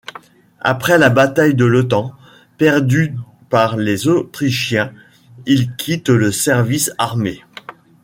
Après la bataille de Leuthen, perdue par les Autrichiens, il quitte le service armé.